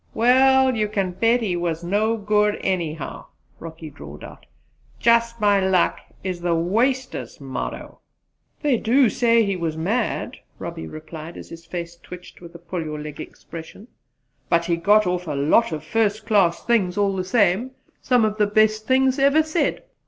"Well, you can bet he was no good, anyhow," Rocky drawled out. " 'Jus' my luck! is the waster's motto!" "They do say he was mad," Robbie replied, as his face twitched with a pull your leg expression, "but he got off a lot of first class things all the same some of the best things ever said."